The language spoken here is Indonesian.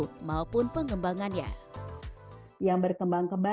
pengadaan infrastruktur konektivitas memang menciptakan peluang penciptaan kawasan industri baru